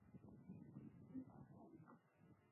قومونه د افغانستان د بشري فرهنګ یوه ډېره مهمه برخه ده.